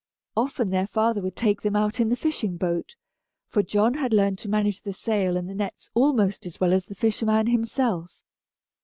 Often their father would take them out in the fishing boat; for John had learned to manage the sail and the nets almost as well as the fisherman himself.